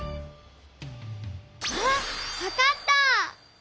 あっわかった！